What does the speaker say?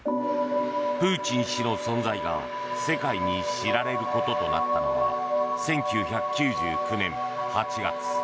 プーチン氏の存在が世界に知られることとなったのは１９９９年８月。